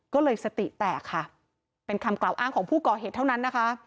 ก็เลยสติแตกค่ะเป็นคำกล่าวอ้างของผู้ก่อเหตุเท่านั้นนะคะ